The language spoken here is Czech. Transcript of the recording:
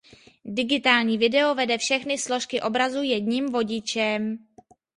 Digitální video vede všechny složky obrazu jedním vodičem.